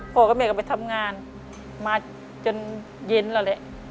พ่อก็เมียกลับไปทำงานมาจนเย็นแล้วแหละ